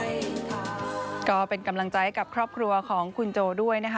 แล้วก็เป็นกำลังใจกับทุกคนที่รักคุณโจนะคะ